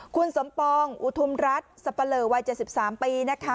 คุณสมปองอุทุมรัฐสับปะเลอวัย๗๓ปีนะคะ